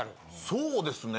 そうですね。